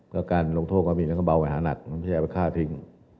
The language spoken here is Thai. ก็การลงโทกรมีนก็เบามาหาหนัดไม่ใช่เอาไปฆ่าเพียง